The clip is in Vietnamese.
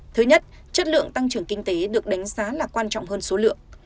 thứ nhất chất lượng tăng trưởng kinh tế được đánh giá là quan trọng hơn số lượng